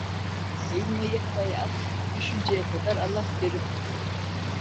Elmayı havaya at, düşünceye kadar Allah kerim.